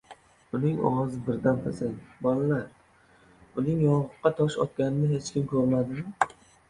— Uning ovozi birdan pasaydi. — Bolalar, uning yong‘oqqa tosh otganini hech kim ko‘rmadimi?